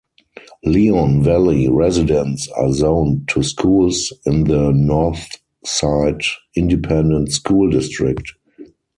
Leon Valley Residents are zoned to schools in the Northside Independent School District.